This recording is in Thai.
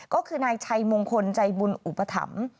ก็คือนายชัยมงคลใจบุญอุปถัมภ์